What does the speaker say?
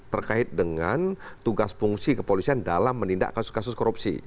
terkait dengan tugas fungsi kepolisian dalam menindak kasus kasus korupsi